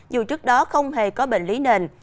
dù trước đó không hề có bệnh lý nền